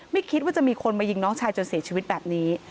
ไม่คิดว่าจะมีคนมายิงน้องชายจนเสียชีวิตแบบนี้